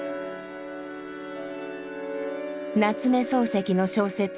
夏目漱石の小説